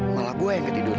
malah saya yang tidur